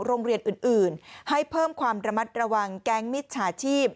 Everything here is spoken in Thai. โรงเรียนอื่นให้เพิ่มความระมัดระวังแก๊งมิจฉาชีพ